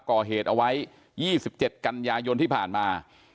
ก่อเหตุเอาไว้๒๗กันยายนที่ผ่านมา